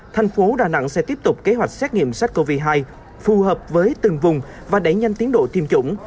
thành phố đà nẵng sẽ tiếp tục kế hoạch xét nghiệm sars cov hai phù hợp với từng vùng và đẩy nhanh tiến độ tiêm chủng